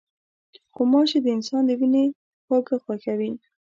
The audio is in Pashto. غوماشې د انسان د وینې خواږه خوښوي.